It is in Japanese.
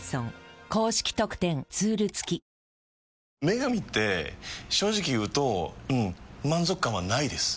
「麺神」って正直言うとうん満足感はないです。